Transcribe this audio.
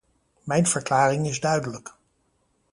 Mijn verklaring is duidelijk.